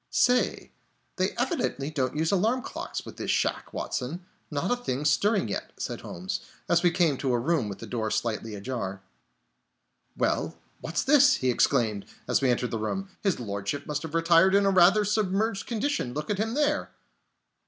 "Say, they evidently don't use alarm clocks in this shack, Watson. Not a thing stirring yet," said Holmes, as we came to a room with the door slightly ajar. "Hello, what's this?" he exclaimed, as we entered the room. "His Lordship must have retired in a rather submerged condition! Look at him there!"